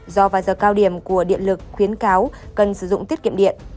do vào giờ cao điểm của điện lực khuyến cáo cần sử dụng tiết kiệm điện